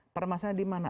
permasalahan di mana